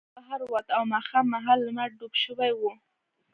هغه بهر ووت او ماښام مهال لمر ډوب شوی و